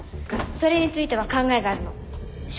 それについては考えがあるの。